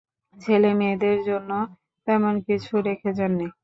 ছেলেমেয়েদের জন্য তেমন কিছু রেখে যাননি।